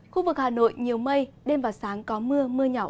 khu vực hà nội nhiều mây đêm và sáng có mưa mưa nhỏ và sáng